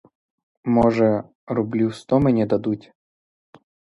Може, рублів сто мені дадуть?